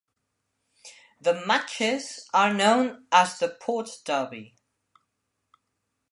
Their matches are known as the "Port Derby".